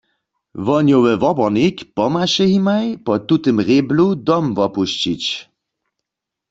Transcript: Wohnjowy wobornik pomhaše jimaj po tutym rěblu dom wopušćić.